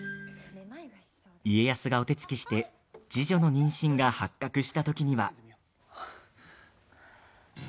家康がお手つきして侍女の妊娠が発覚した時には。